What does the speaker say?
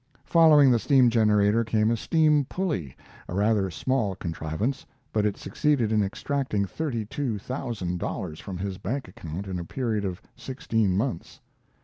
Following the steam generator came a steam pulley, a rather small contrivance, but it succeeded in extracting thirty two thousand dollars from his bank account in a period of sixteen months.